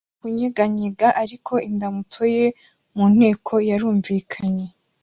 kunyeganyega ariko indamutso ye mu nteko yarumvikanye